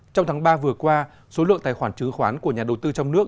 trong tháng ba vừa qua số lượng tài khoản chứng khoán của nhà đầu tư trong nước